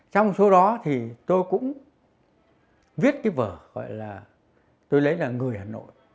trong số đó thì tôi cũng viết cái vở gọi là tôi lấy là người hà nội